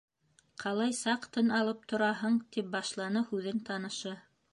Ҡалай саҡ тын алып тораһың, - тип башланы һүҙен танышы.